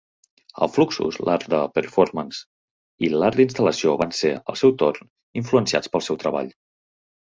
El Fluxus, l'art de performance i l'art d'instal·lació van ser, al seu torn, influenciats pel seu treball.